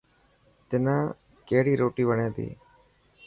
تنان ڪهڙي روٽي وڻي تي.